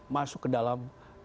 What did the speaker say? masuk ke dalam